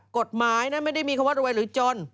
กฎหมายนั้นไม่ได้มีคำว่ารวยหรือจน